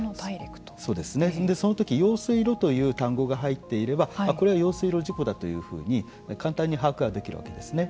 その時、用水路という単語が入っていればこれは用水路事故だというふうに簡単に把握ができるわけですね。